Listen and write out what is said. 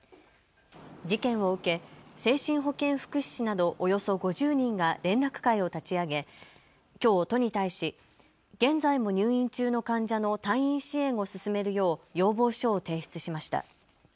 事件を受け精神保健福祉士などおよそ５０人が連絡会を立ち上げきょう都に対し現在も入院中の患者の退院支援を進めるよう要望書を提出しました。